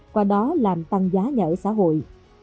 qua đó làm tăng giá nhà ở xã hội